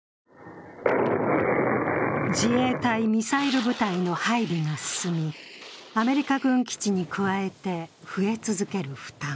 自衛隊ミサイル部隊の配備が進み、アメリカ軍基地に加えて、増え続ける負担。